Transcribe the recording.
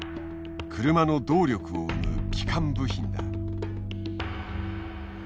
車の動力を生む基幹部品だ。